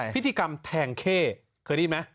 พิธีกรรมแทงเข้เคยได้ยินไหม